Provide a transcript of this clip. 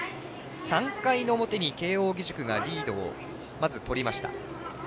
３回の表に慶応義塾がリードをまずとりました。